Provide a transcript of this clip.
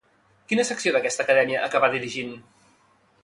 Quina secció d'aquesta acadèmia acabà dirigint?